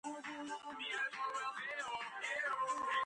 ტაძარი გადახურულია სპილენძის სახურავით.